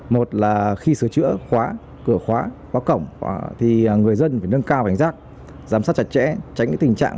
một là khi sửa chữa khóa cửa khóa khóa cổng thì người dân phải nâng cao cảnh giác giám sát chặt chẽ tránh tình trạng